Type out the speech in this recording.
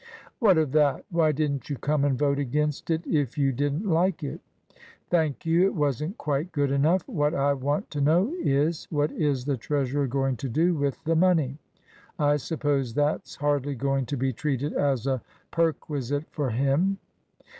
"What of that? Why didn't you come and vote against it if you didn't like it?" "Thank you. It wasn't quite good enough. What I want to know is, what is the treasurer going to do with the money? I suppose that's hardly going to be treated as a perquisite for him?"